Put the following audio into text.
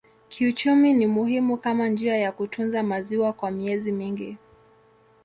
Kiuchumi ni muhimu kama njia ya kutunza maziwa kwa miezi mingi.